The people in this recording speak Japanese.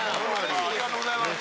ありがとうございます。